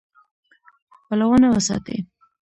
پلونه وساتئ